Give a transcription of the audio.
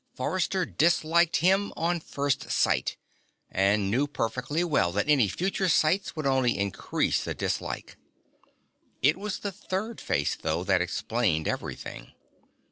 Forrester disliked him on first sight, and knew perfectly well that any future sights would only increase the dislike. It was the third face, though that explained everything.